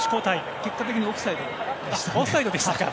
結果的にはオフサイドでしたね。